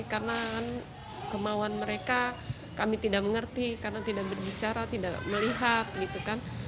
karena kemauan mereka kami tidak mengerti karena tidak berbicara tidak melihat gitu kan